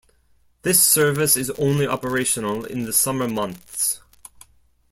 This service is only operational in the summer months.